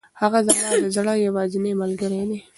هغه زما د زړه یوازینۍ ملګرې ده.